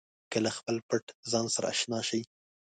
که له خپل پټ ځان سره اشنا شئ.